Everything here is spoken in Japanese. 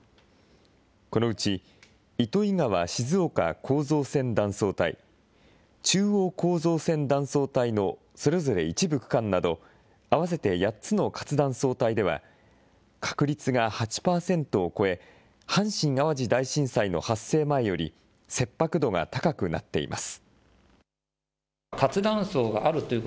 このうち糸魚川ー静岡構造線断層帯、中央構造線断層帯のそれぞれ一部区間など、合わせて８つの活断層帯では、確率が８％を超え、阪神・淡路大震災の発生前より切迫度が高くなっています。